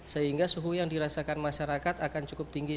sehingga suhu yang dirasakan masyarakat akan cukup tinggi